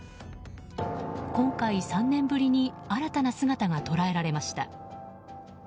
今回、３年ぶりに新たな姿が捉えられました。